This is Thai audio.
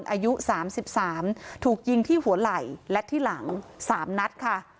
อายุสามสิบสามถูกยิงที่หัวไหล่และที่หลังสามนัดค่ะ